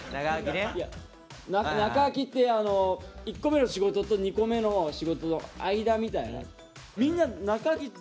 中空きって１個目の仕事と２個目の仕事の間みたいな。